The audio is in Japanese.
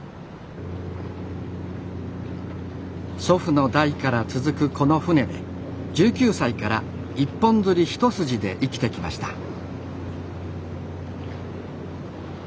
祖父の代から続くこの船で１９歳から一本釣り一筋で生きてきました。